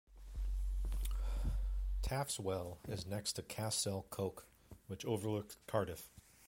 Taff's Well is next to Castell Coch, which overlooks Cardiff.